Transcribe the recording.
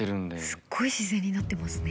すごい自然になってますね。